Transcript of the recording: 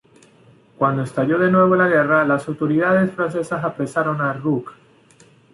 Cuando estalló de nuevo la guerra, las autoridades francesas apresaron a Rooke.